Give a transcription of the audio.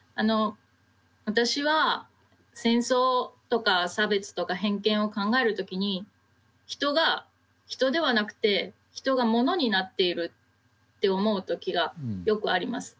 私は戦争とか差別とか偏見を考える時に人が人ではなくて人が物になっているって思う時がよくあります。